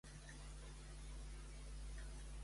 Per què l'ha damnejat l'interlocutor?